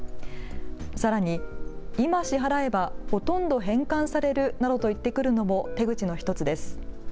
さらに今、支払えばほとんど返還されるなどと言ってくるのも手口の１つです。